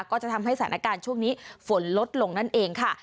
ก็จะทำให้สถานการณ์ช่วงนี้ฝนลดลงนั่นเองค่ะ